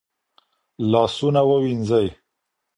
لاسونه ووينځئ.